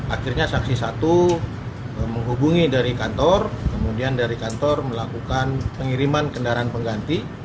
akhirnya saksi satu menghubungi dari kantor kemudian dari kantor melakukan pengiriman kendaraan pengganti